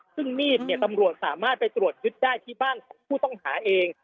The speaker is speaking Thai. ซึ่งมีดเนี่ยตำรวจสามารถไปตรวจยึดได้ที่บ้านของผู้ต้องหาเอง